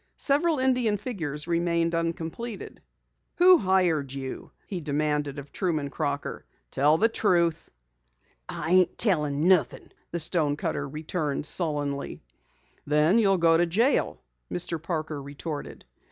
Several Indian figures remained uncompleted. "Who hired you?" he demanded of Truman Crocker. "Tell the truth!" "I ain't tellin' nothing," the stonecutter returned sullenly. "Then you'll go to jail," Mr. Parker retorted.